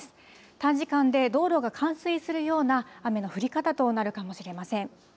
短時間で道路が冠水するような雨の降り方となるかもしれません。